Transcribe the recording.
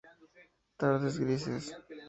Tardes grises.